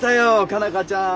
佳奈花ちゃん。